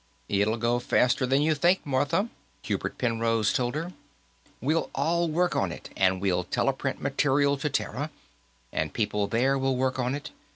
"It'll go faster than you think, Martha," Hubert Penrose told her. "We'll all work on it, and we'll teleprint material to Terra, and people there will work on it.